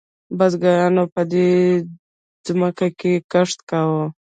بزګرانو به په دې ځمکو کې کښت کاوه.